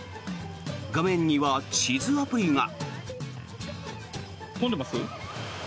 画面には地図アプリが。